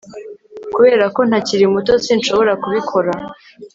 Kubera ko ntakiri muto sinshobora kubikora